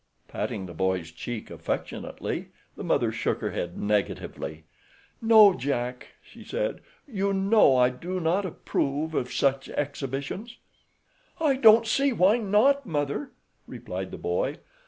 Patting the boy's cheek affectionately, the mother shook her head negatively. "No, Jack," she said; "you know I do not approve of such exhibitions." "I don't see why not, Mother," replied the boy.